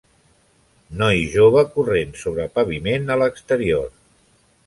Noi jove corrent sobre paviment a l'exterior.